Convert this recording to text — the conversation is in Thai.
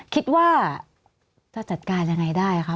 คิดว่าจะจัดการยังไงได้คะ